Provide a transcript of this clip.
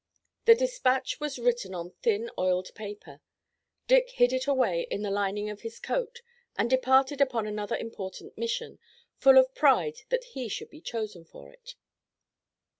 The dispatch was written on thin, oiled paper. Dick hid it away in the lining of his coat and departed upon another important mission, full of pride that he should be chosen for it.